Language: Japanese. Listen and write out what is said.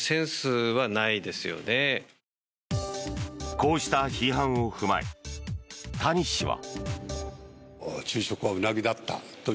こうした批判を踏まえ谷氏は。